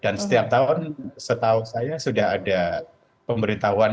dan setiap tahun setahu saya sudah ada pemberitahuan